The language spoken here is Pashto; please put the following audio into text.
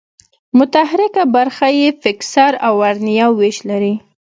متحرکه برخه یې فکسر او ورنیه وېش لري.